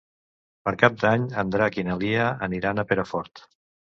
Per Cap d'Any en Drac i na Lia aniran a Perafort.